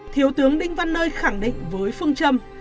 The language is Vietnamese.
thiếu tướng đinh văn nơi khẳng định với phương châm